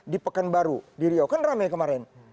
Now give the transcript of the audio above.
di pekan baru di riau kan ramai kemarin